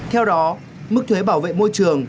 theo đó mức thuế bảo vệ môi trường